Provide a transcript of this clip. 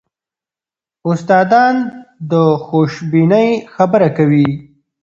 استادان د خوشبینۍ خبره کوي.